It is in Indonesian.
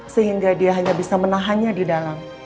sehingga dia hanya bisa menahannya di dalam